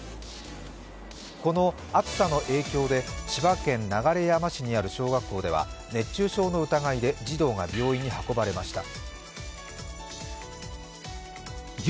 この暑さの影響で、千葉県流山市にある小学校では熱中症の疑いで児童が病院に運ばれました。